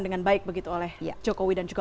dengan baik begitu oleh jokowi dan juga